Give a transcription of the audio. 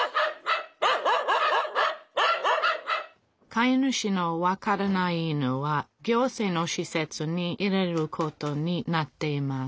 飼い主の分からない犬は行政のしせつに入れることになっています